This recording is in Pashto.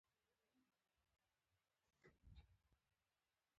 د طیارې تخنیکي عمله هر وخت چمتو وي.